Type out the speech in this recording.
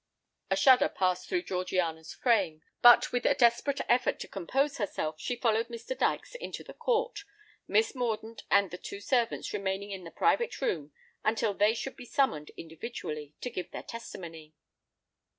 A shudder passed through Georgiana's frame; but, with a desperate effort to compose herself, she followed Mr. Dykes into the court, Miss Mordaunt and the two servants remaining in the private room until they should be summoned individually to give their testimony.